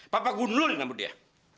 papa gunul nampak dia